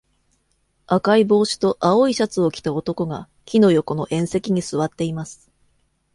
赤い帽子と青いシャツを着た男が木の横の縁石に座っています。